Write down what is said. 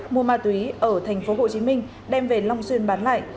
mua ma túy ở tp hcm đem về long xuyên bán lại